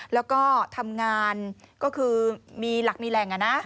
แล้วก็ทำงานก็คือมีหลักมีแหล่ง